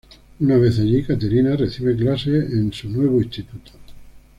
Una vez allí, Caterina recibe clases en su nuevo instituto.